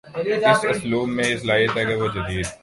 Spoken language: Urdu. اس اسلوب میں یہ صلاحیت ہے کہ وہ جدید